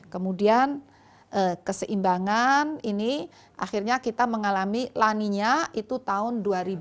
kemudian keseimbangan ini akhirnya kita mengalami lanina itu tahun dua ribu dua puluh